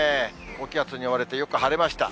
高気圧に覆われてよく晴れました。